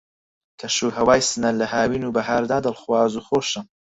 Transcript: کەش و ھەوای سنە لە ھاوین و بەھار دا دڵخواز و خۆشە